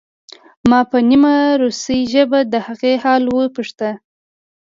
ما په نیمه روسۍ ژبه د هغې حال وپوښت